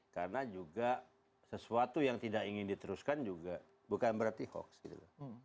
karena juga sesuatu yang tidak ingin diteruskan juga bukan berarti hoax gitu loh